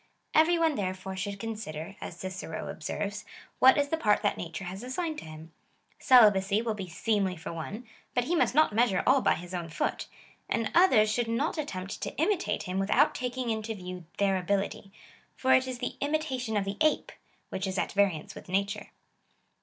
Every one therefore should consider (as Cicero observes) what is the part that nature has assigned to him.^ Celibacy will be seemly for one, but he must not measure all by his own foot f and others should not attempt to imitate him without taking into view their ability' ; for it is the imitation of the ape — which is at variarxce with nature.